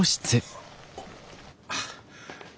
あっ。